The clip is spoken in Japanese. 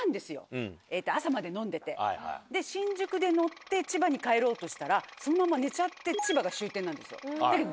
新宿で乗って千葉に帰ろうとしたらそのまま寝ちゃって千葉が終点なんですよ。